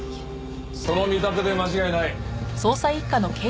その見立てで間違いない。